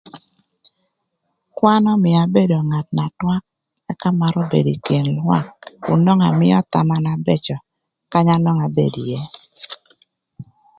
Kwan ömïa abedo ngat na twak ëka marö bedo ï kin lwak kün nwongo amïö thama na bëcö kanya nwongo abedo ïë.